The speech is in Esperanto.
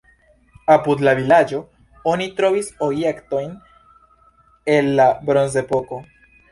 Apud la vilaĝo oni trovis objektojn el la bronzepoko.